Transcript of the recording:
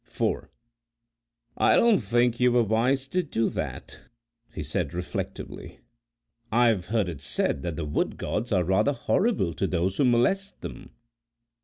"I don't think you were wise to do that," he said reflectively. "I've heard it said that the Wood Gods are rather horrible to those who molest them."